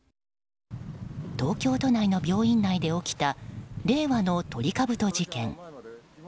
東京都内の病院内で起きた令和のトリカブト事件。